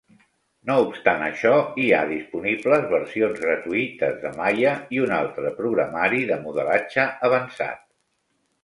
No obstant això, hi ha disponibles versions gratuïtes de Maya i un altre programari de modelatge avançat.